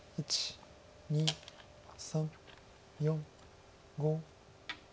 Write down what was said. ２３４５。